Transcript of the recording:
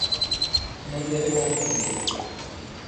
Non debe confundir.